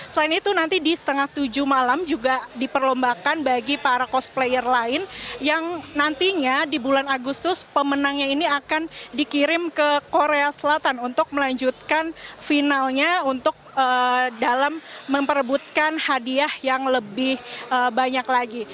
selain itu nanti di setengah tujuh malam juga diperlombakan bagi para cosplayer lain yang nantinya di bulan agustus pemenangnya ini akan dikirim ke korea selatan untuk melanjutkan finalnya untuk dalam memperebutkan hadiah yang lebih banyak lagi